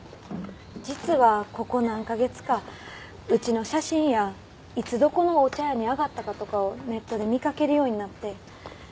実はここ何カ月かうちの写真やいつどこのお茶屋に上がったかとかをネットで見かけるようになって。